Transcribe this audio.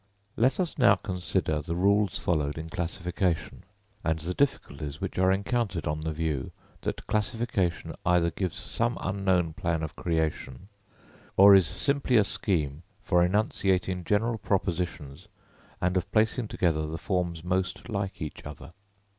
Let us now consider the rules followed in classification, and the difficulties which are encountered on the view that classification either gives some unknown plan of creation, or is simply a scheme for enunciating general propositions and of placing together the forms most like each other.